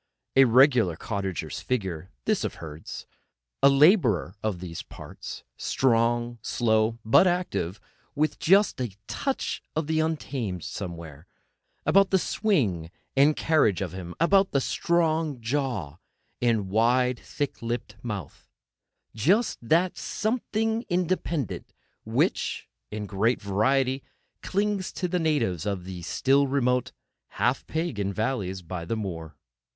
A regular cottager's figure, this of Herd's—a labourer of these parts—strong, slow, but active, with just a touch of the untamed somewhere, about the swing and carriage of him, about the strong jaw, and wide thick lipped mouth; just that something independent, which, in great variety, clings to the natives of these still remote, half pagan valleys by the moor.